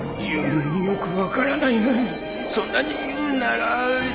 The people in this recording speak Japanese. よく分からないがそんなに言うなら